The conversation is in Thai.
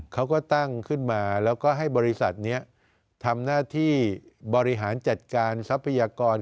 เขาก็ตั้งขึ้นมาแล้วก็ให้บริษัทนี้ทำหน้าที่บริหารจัดการทรัพยากร